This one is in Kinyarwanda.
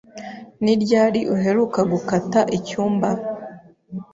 Ni ryari uheruka gukata icyumba?